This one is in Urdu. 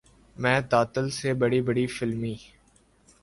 میں تعطل سے بڑی بڑی فلمی